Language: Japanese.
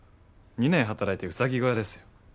２年働いてうさぎ小屋ですよ。